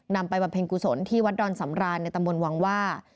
นำไปบรรเภงกุศลที่วัดดอนสำราญในตำรวงวังว่า